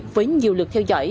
với nhiều lượt theo dõi